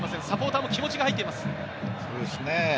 サポーターも気持ちが入っています。